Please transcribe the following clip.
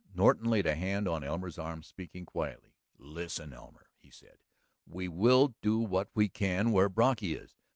Norton laid a hand on Elmer's arm, speaking quietly. "Listen, Elmer," he said. "We will do what we can where Brocky is.